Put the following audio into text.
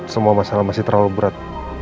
semua masalah masih terlalu berat